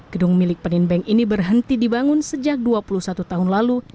gedung milik peninbank ini berhenti dibangun sejak dua puluh satu tahun lalu